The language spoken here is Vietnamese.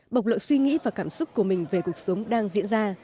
bộc lộ suy nghĩ và cảm xúc của mình về cuộc sống đang diễn ra